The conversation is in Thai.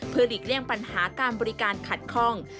เพื่อหลีกเลี่ยงปัญหาการบริการขัดคล่อง